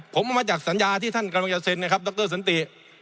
ผมเอามาจากสัญญาที่ท่านกำลังจะเซ็นนะครับดรสันติ